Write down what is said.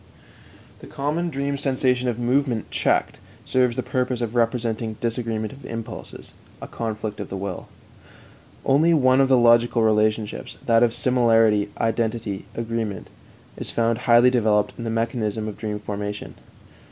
The common dream sensation of movement checked serves the purpose of representing disagreement of impulses a conflict of the will. Only one of the logical relationships that of similarity, identity, agreement is found highly developed in the mechanism of dream formation.